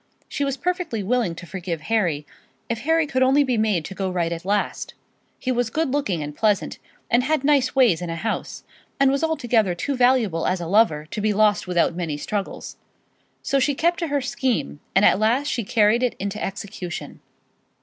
She was perfectly willing to forgive Harry, if Harry could only be made to go right at last. He was good looking and pleasant, and had nice ways in a house, and was altogether too valuable as a lover to be lost without many struggles. So she kept to her scheme, and at last she carried it into execution.